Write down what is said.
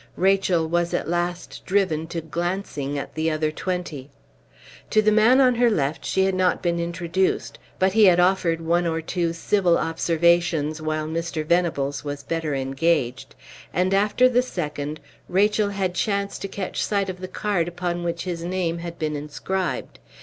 Rachel was at last driven to glancing at the other twenty. To the man on her left she had not been introduced, but he had offered one or two civil observations while Mr. Venables was better engaged; and, after the second, Rachel had chanced to catch sight of the card upon which his name had been inscribed.